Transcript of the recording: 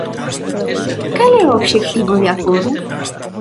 Cal é o obxectivo de aforro?